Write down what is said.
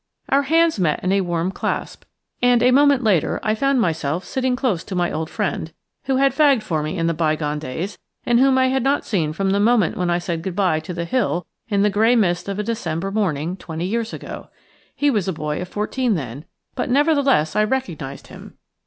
Our hands met in a warm clasp, and a moment later I found myself sitting close to my old friend, who had fagged for me in the bygone days, and whom I had not seen from the moment when I said goodbye to the "Hill" in the grey mist of a December morning twenty years ago. He was a boy of fourteen then, but nevertheless I recognized him.